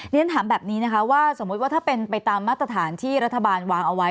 เรียนถามแบบนี้นะคะว่าสมมุติว่าถ้าเป็นไปตามมาตรฐานที่รัฐบาลวางเอาไว้